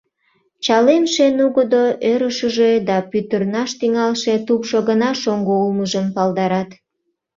Чалемше нугыдо ӧрышыжӧ да пӱтырнаш тӱҥалше тупшо гына шоҥго улмыжым палдарат.